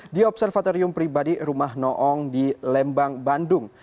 di observatorium pribadi rumah noong di lembang bandung